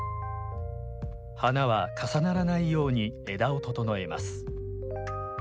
花は重ならないように枝を整えます。